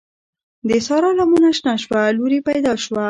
د سارا لمنه شنه شوه؛ لور يې پیدا شوه.